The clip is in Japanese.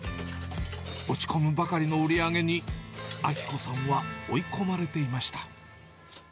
落ち込むばかりの売り上げに、明子さんは追い込まれていました。